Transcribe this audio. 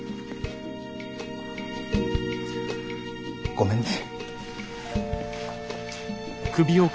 ごめんね。